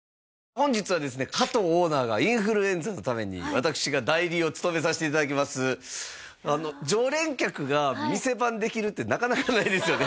本日はですね加藤オーナーがインフルエンザのために私が代理を務めさせていただきます常連客が店番できるってなかなかないですよね